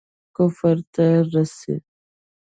کفر ته رسي.